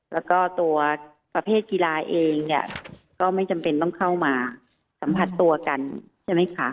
แล้วก็ตัวประเภทกีฬาเองเนี่ยก็ไม่จำเป็นต้องเข้ามาสัมผัสตัวกันใช่ไหมคะ